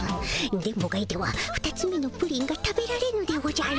電ボがいてはふたつめのプリンが食べられぬでおじゃる。